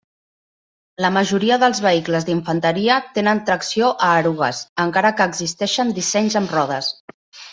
La majoria dels vehicles d'infanteria tenen tracció a erugues, encara que existeixen dissenys amb rodes.